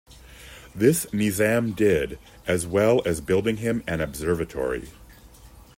This Nizam did, as well as building him an observatory.